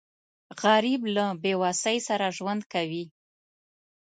غریب له بېوسۍ سره ژوند کوي